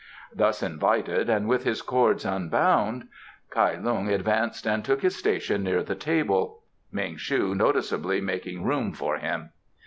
Thus invited and with his cords unbound, Kai Lung advanced and took his station near the table, Ming shu noticeably making room for him.